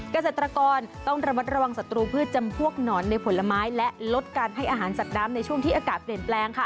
เกษตรกรต้องระมัดระวังศัตรูพืชจำพวกหนอนในผลไม้และลดการให้อาหารสัตว์น้ำในช่วงที่อากาศเปลี่ยนแปลง